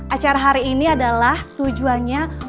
acara hari ini adalah tujuannya